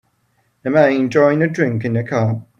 A man enjoying a drink in a cup.